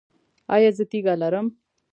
ایا زه تیږه لرم؟